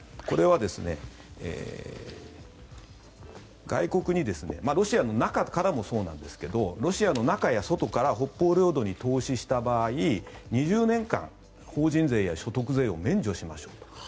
これは外国にロシアの中からもそうなんですがロシアの中や外から北方領土に投資した場合２０年間、法人税や所得税を免除しましょうと。